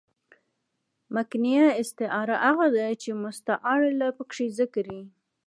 مکنیه استعاره هغه ده، چي مستعارله پکښي ذکر يي.